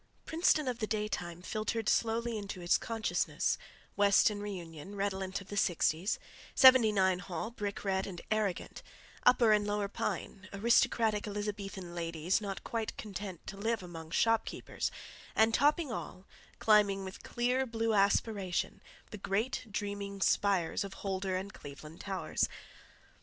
Princeton of the daytime filtered slowly into his consciousness—West and Reunion, redolent of the sixties, Seventy nine Hall, brick red and arrogant, Upper and Lower Pyne, aristocratic Elizabethan ladies not quite content to live among shopkeepers, and, topping all, climbing with clear blue aspiration, the great dreaming spires of Holder and Cleveland towers.